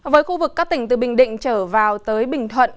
với khu vực các tỉnh từ bình định trở vào tới bình thuận